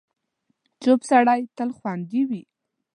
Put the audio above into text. چوپ سړی، تل خوندي وي.